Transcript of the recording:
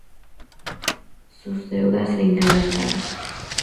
Sus deudas se incrementaron.